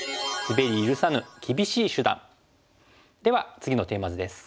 では次のテーマ図です。